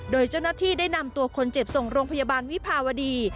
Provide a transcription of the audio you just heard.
โดยเจ้าหน้าที่ได้นำตัวคนเจ็บส่งโรงพยาบาลวิภาวดี